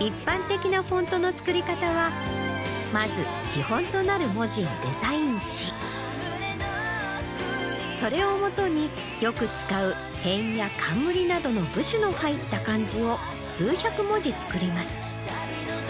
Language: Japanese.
一般的なフォントの作り方はまず基本となる文字をデザインしそれをもとによく使う偏や冠などの部首の入った漢字を数百文字作ります。